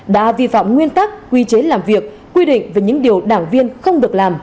đã vi phạm nguyên tắc quy chế làm việc quy định về những điều đảng viên không được làm